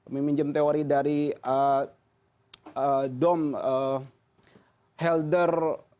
meminjam teori dari dom helder